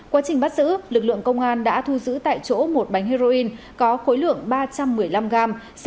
quá trình bắt giữ lực lượng công an đã thu giữ tại chỗ một bánh heroin có khối lượng ba trăm một mươi năm gram